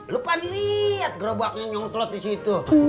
lu paham liat gerobaknya nyongklot di situ